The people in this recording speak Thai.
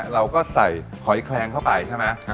เราก็ใส่หอยแครงไปใช่มั้ย